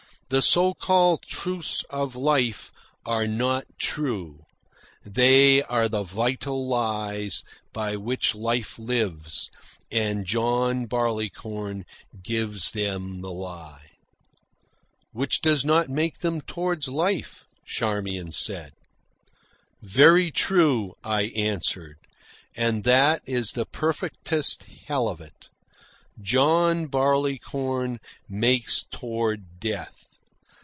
The so called truths of life are not true. They are the vital lies by which life lives, and John Barleycorn gives them the lie." "Which does not make toward life," Charmian said. "Very true," I answered. "And that is the perfectest hell of it. John Barleycorn makes toward death.